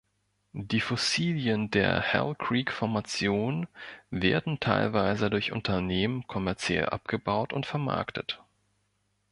Die Fossilien der Hell-Creek-Formation werden teilweise durch Unternehmen kommerziell abgebaut und vermarktet.